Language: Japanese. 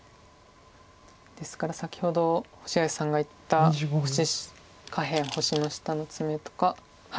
ですから先ほど星合さんが言った下辺星の下のツメとか。